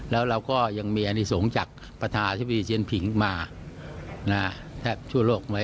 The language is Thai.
แล้วเราก็ยังมีอนิสงฆ์จากประธานาธิบดีเจียนผิงมาแทบทั่วโลกไหม